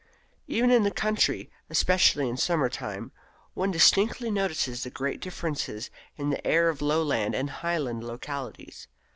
Even in the country, especially in summer time, one distinctly notices the great difference in the air of lowland and highland localities.